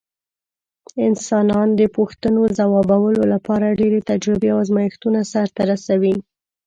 انسانان د پوښتنو ځوابولو لپاره ډېرې تجربې او ازمېښتونه سرته رسوي.